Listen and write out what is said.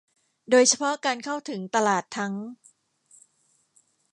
โดยเฉพาะการเข้าถึงตลาดทั้ง